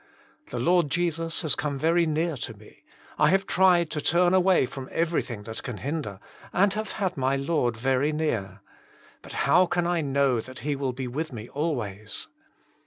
The Lord Jesus has come very near to me. I have tried to turn away from everything that can hinder, and have had my Lord very near. But how can I know that He will be with me always